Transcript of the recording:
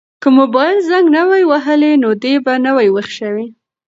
که موبایل زنګ نه وای وهلی نو دی به نه وای ویښ شوی.